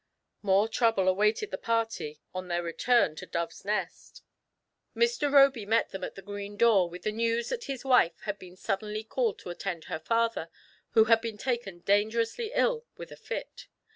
More trouble awaited the party on their return to THE PLEASURE EXCURSION. 137 Dove's Nest. Mr. Roby met them at the gi*een door with the news that his wife had been suddenly ciiUed to attend her father, who had been taken dangerously ill with a fit.